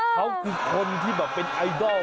เขาคือคนที่แบบเป็นไอดอล